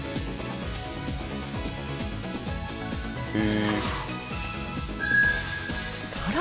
へえ！